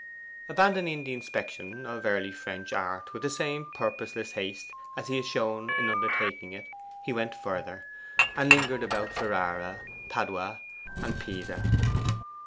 Abandoning the inspection of early French art with the same purposeless haste as he had shown in undertaking it, he went further, and lingered about Ferrara, Padua, and Pisa.